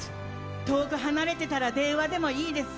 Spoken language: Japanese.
遠く離れてたら電話でもいいです。